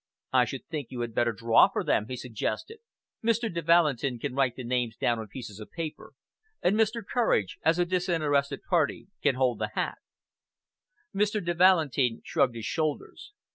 "I should think you had better draw for them," he suggested. "Mr. de Valentin can write the names down on pieces of paper, and Mr. Courage, as a disinterested party, can hold the hat." Mr. de Valentin shrugged his shoulders.